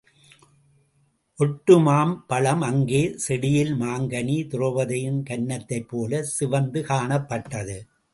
ஒட்டு மாம் பழம் அங்கே செடியில் மாங்கனி திரெளபதியின் கன்னத்தைப் போலச் சிவந்துகாணப் பட்டது.